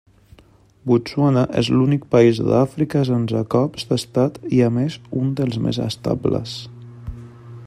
Botswana és l'únic país d'Àfrica sense cops d'estat i a més un dels més estables.